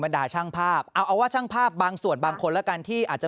ด่าช่างภาพเอาเอาว่าช่างภาพบางส่วนบางคนแล้วกันที่อาจจะ